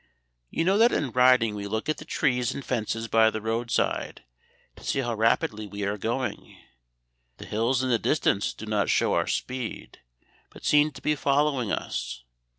You know that in riding we look at the trees and fences by the road side to see how rapidly we are going. The hills in the distance do not show our speed, but seem to be following us.